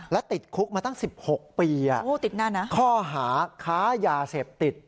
และติดคุกมาตั้ง๑๖ปีข้อหาค้ายาเสพติด